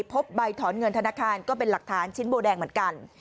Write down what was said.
พบใบถอนเงินธนาคารก็เป็นหลักฐานชิ้นโบแดงเหมือนกัน